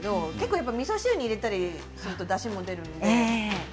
みそ汁に入れたりするとだしが出ます。